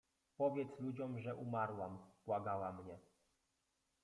„Powiedz ludziom, że umarłam” — błagała mnie.